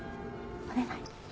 お願い。